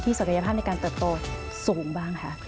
ศักยภาพในการเติบโตสูงบ้างคะ